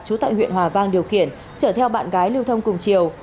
trú tại huyện hòa vang điều khiển chở theo bạn gái lưu thông cùng chiều